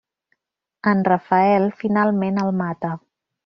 En Rafael finalment el mata.